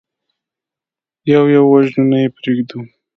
يو يو وژنو، نه يې پرېږدو.